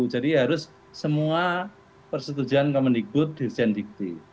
jadi harus semua persetujuan kami ikut desain dikti